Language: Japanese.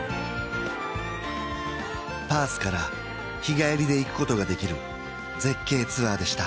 パースから日帰りで行くことができる絶景ツアーでした